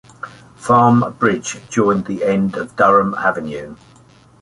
Farm Bridge joined the end of Durham Avenue.